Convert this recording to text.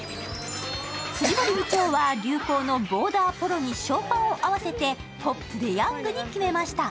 藤森部長は流行のボーダーポロにショーパンを合わせてポップでヤングに決めました。